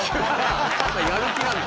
まだやる気なんだ。